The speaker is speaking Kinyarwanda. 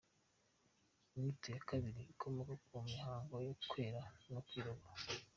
Inyito ya kabiri ikomoka mu mihango yo kwera no kwirabura.